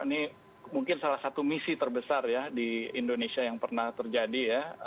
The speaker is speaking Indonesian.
ini mungkin salah satu misi terbesar ya di indonesia yang pernah terjadi ya